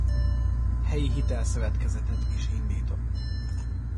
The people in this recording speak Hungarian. Helyi hitelszövetkezetet is indított.